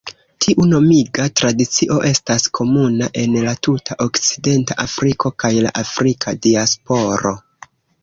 Tiu nomiga tradicio estas komuna en la tuta Okcidenta Afriko kaj la Afrika diasporo.